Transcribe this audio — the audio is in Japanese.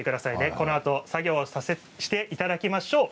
このあと作業をしていただきましょう。